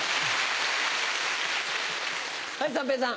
はい三平さん。